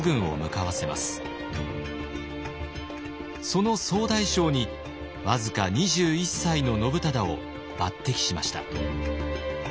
その総大将に僅か２１歳の信忠を抜擢しました。